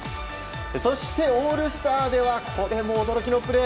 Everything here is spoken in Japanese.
そして、オールスターではこれも驚きのプレー。